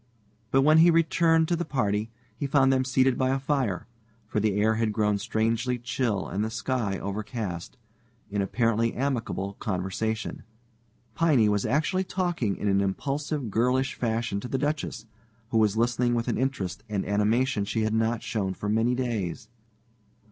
But when he returned to the party, he found them seated by a fire for the air had grown strangely chill and the sky overcast in apparently amicable conversation. Piney was actually talking in an impulsive, girlish fashion to the Duchess, who was listening with an interest and animation she had not shown for many days.